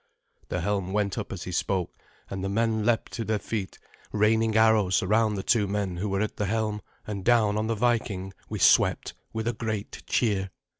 The helm went up as he spoke, and the men leaped to their feet, raining arrows round the two men who were at the helm, and down on the Viking we swept with a great cheer.